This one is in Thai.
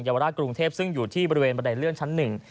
ยาวราชกรุงเทพซึ่งอยู่ที่บริเวณบันไดเลื่อนชั้นหนึ่ง